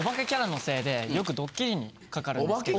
よくドッキリにかかるですけど。